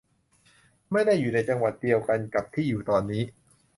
ไม่ได้อยู่ในจังหวัดเดียวกันกับที่อยู่ตอนนี้